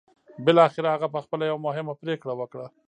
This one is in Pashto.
بالاخره هغه پخپله یوه مهمه پرېکړه وکړه